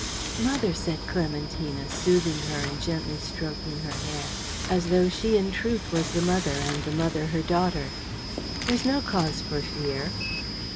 "Mother," said Clementina, soothing her and gently stroking her hair, as though she in truth was the mother and the mother her daughter, "there's no cause for fear."